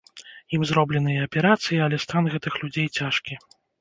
Ім зробленыя аперацыі, але стан гэтых людзей цяжкі.